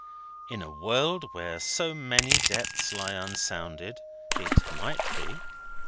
In a world where so many depths lie unsounded, it might be.